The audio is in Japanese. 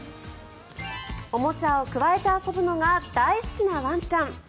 おもちゃをくわえて遊ぶのが大好きなワンちゃん。